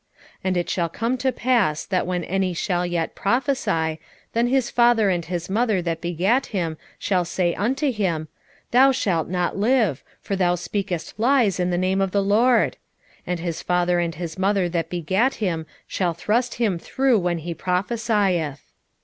13:3 And it shall come to pass, that when any shall yet prophesy, then his father and his mother that begat him shall say unto him, Thou shalt not live; for thou speakest lies in the name of the LORD: and his father and his mother that begat him shall thrust him through when he prophesieth.